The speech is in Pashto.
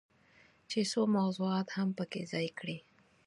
چې څو موضوعات هم پکې ځای کړي.